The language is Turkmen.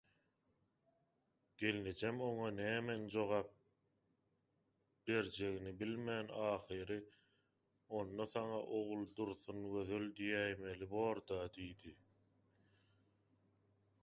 Gelnejem oňa nämen jogap berjegini bilmän ahyry «Onda saňa Oguldursungözel diýäýmeli bor-da» diýdi.